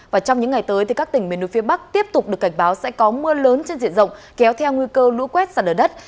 và trong những ngày tới các tỉnh miền núi phía bắc tiếp tục được cảnh báo sẽ có mưa lớn trên diện rộng kéo theo nguy cơ lũ quét sạt ở đất